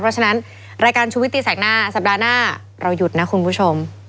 เพราะฉะนั้นรายการชุวิตตีแสกหน้าสัปดาห์หน้าเราหยุดนะคุณผู้ชม